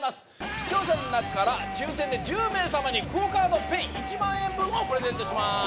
視聴者の中から抽選で１０名様にＱＵＯカードＰａｙ１万円分をプレゼントします